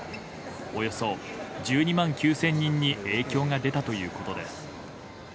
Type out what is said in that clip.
およそ１２万９０００人に影響が出たということです。